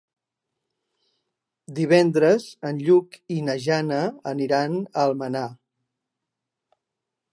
Divendres en Lluc i na Jana aniran a Almenar.